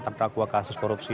tentang kakua kasus korupsi